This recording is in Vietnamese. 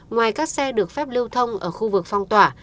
ngoài các xe được phép lưu thông ở khu vực phong tỏa